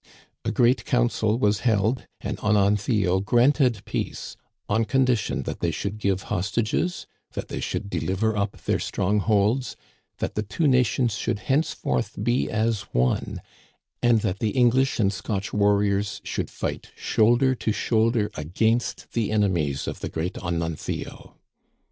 A great council was held, and Ononthio granted peace on condition that they should give host ages, that they should deliver up their strongholds, that the two nations should henceforth be as one, and that the English and Scotch warriors should fight shoulder to shoulder against the enemies of the great Ononthio.